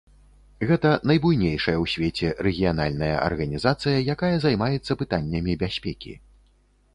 Гэта найбуйнейшая ў свеце рэгіянальная арганізацыя, якая займаецца пытаннямі бяспекі.